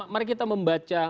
mari kita membaca